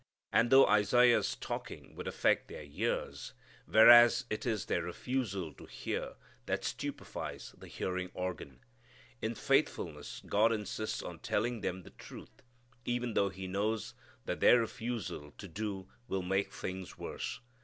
As though Isaiah's talking would affect their ears, whereas it is their refusal to hear that stupefies the hearing organ. In faithfulness God insists on telling them the truth even though He knows that their refusal to do will make things worse.